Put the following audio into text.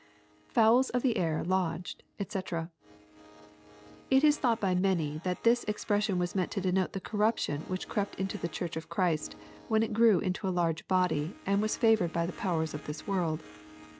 [Fowls of the air lodged, &c^ It is thought by many that this expression was meant to denote the corruption which crept into the Church of Christ, when it grew into a large body, and was favored by the powers of this world.